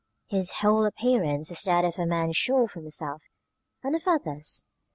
His whole appearance was that of a man sure of himself and of others.